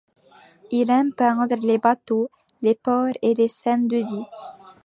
Il aime peindre les bateaux, les ports et les scènes de vie.